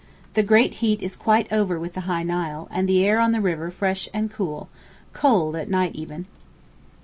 The great heat is quite over with the high Nile, and the air on the river fresh and cool—cold at night even.